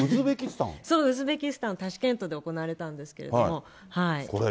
そう、ウズベキスタン・タシケントで行われたんですけども。